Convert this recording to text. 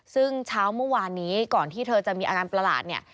ซึ่งเช้าเมื่อวานนี้ก่อนที่เธอจะมีอาการประหลาดเนี่ย